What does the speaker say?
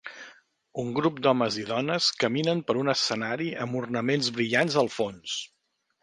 Un grup d'homes i dones caminen per un escenari amb ornaments brillants al fons